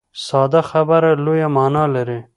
ساده خبره لویه معنا لري.